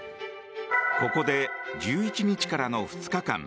ここで１１日からの２日間